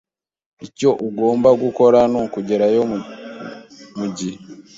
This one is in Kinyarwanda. Icyo ugomba gukora nukugerayo mugihe.